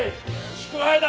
祝杯だ！